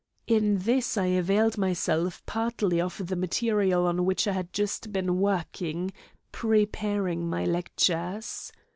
(In this I availed myself partly of the material on which I had just been working, preparing my lectures.)